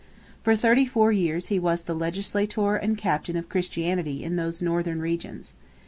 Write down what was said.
For thirty four years he was the legislator and captain of Christianity in those northern regions.